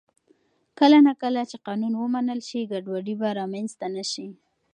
کله نا کله چې قانون ومنل شي، ګډوډي به رامنځته نه شي.